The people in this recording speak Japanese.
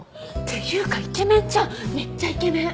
ていうかイケメンじゃんめっちゃイケメン。